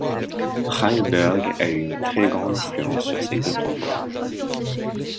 Heiberg a eu une très grande influence sur ses contemporains.